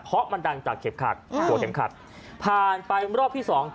เพราะมันดังจากเข็มขัดหัวเข็มขัดผ่านไปรอบที่สอง